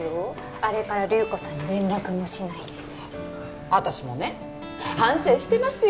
あれから流子さんに連絡もしないで私もね反省してますよ